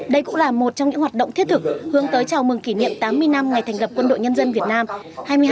đây cũng là một trong những hoạt động thiết thực hướng tới chào mừng kỷ niệm tám mươi năm ngày thành lập quân đội nhân dân việt nam